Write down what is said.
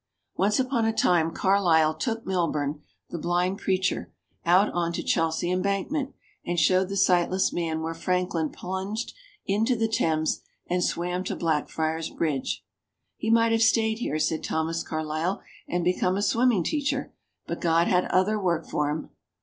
Once upon a time Carlyle took Milburn, the blind preacher, out on to Chelsea embankment and showed the sightless man where Franklin plunged into the Thames and swam to Blackfriars Bridge. "He might have stayed here," said Thomas Carlyle, "and become a swimming teacher, but God had other work for him!"